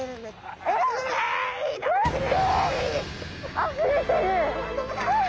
あふれてる。